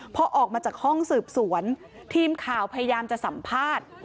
พอออกมาจากห้องสืบสวนทีมข่าวพยายามจะสัมภาษณ์